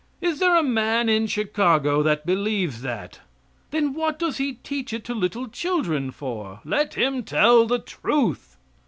Is there a man in Chicago that believes that! Then what does he teach it to little children for? Let him tell the truth.